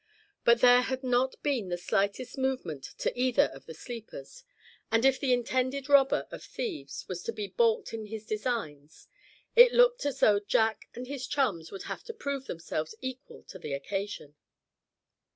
But there had not been the slightest movement to either of the sleepers; and if the intended robber of thieves was to be balked in his designs, it looked as though Jack and his chums would have to prove themselves equal to the occasion.